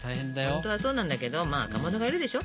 本当はそうなんだけどまあかまどがいるでしょ。